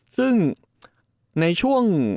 ซึ่ง